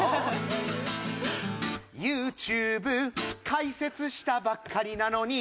「ＹｏｕＴｕｂｅ開設したばっかりなのに」